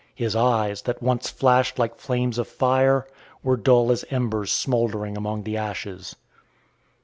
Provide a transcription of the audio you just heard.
His eyes, that once flashed like flames of fire, were dull as embers smouldering among the ashes.